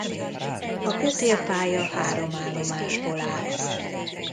A kötélpálya három állomásból áll.